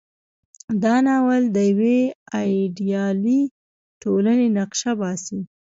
دا ناول د یوې ایډیالې ټولنې نقشه باسي.